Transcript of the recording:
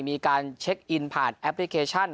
มีการเช็คอินผ่านแอปพลิเคชัน